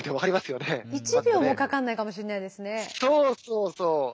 そうそうそう。